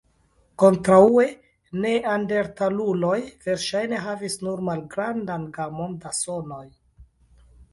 Kontraŭe, neandertaluloj verŝajne havis nur malgrandan gamon da sonoj.